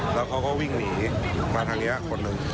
แล้วเขาก็วิ่งหนีมาทางเนี่ยคนหนึ่งครับผม